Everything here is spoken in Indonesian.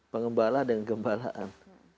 pengembala dan gembalaan